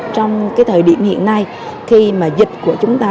trong cái thời điểm hiện nay khi mà dịch của chúng ta